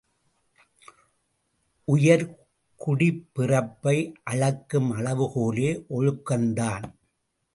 உயர்குடிப்பிறப்பை அளக்கும் அளவுகோலே ஒழுக்கந்தான்.